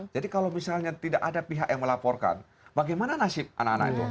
jadi kalau misalnya tidak ada pihak yang melaporkan bagaimana nasib anak anak itu